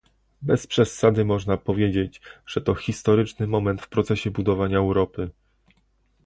Bez przesady można powiedzieć, że to historyczny moment w procesie budowania Europy